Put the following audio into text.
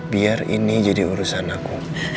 biar ini jadi urusan aku